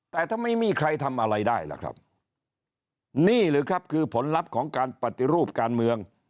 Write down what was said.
แต่ถ้าไม่มีใครทำอะไรได้ล่ะครับนี่หรือครับคือผลลัพธ์ของการปฏิรูปการเมือง